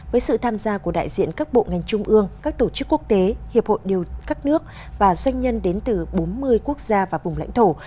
với sự tham gia của đại diện các bộ ngành trung ương các tổ chức quốc tế hiệp hội các nước và doanh nhân đến từ bốn mươi quốc gia và vùng lãnh thổ